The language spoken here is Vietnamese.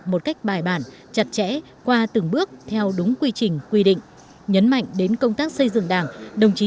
một cách bài bản chặt chẽ qua từng bước theo đúng quy trình quy định